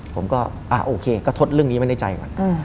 ผมก็โอเคก็ทดเรื่องนี้ไว้ในใจก่อน